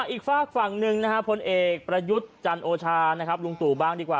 อีกฝากฝั่งหนึ่งนะฮะผลเอกประยุทธ์จันโอชานะครับลุงตู่บ้างดีกว่า